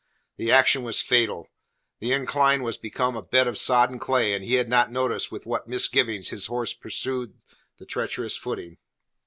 The action was fatal. The incline was become a bed of sodden clay, and he had not noticed with what misgivings his horse pursued the treacherous footing.